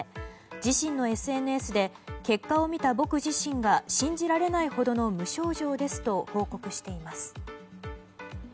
自身のＳＮＳで結果を見た僕自身が信じられないほどの無症状ですと報告しています。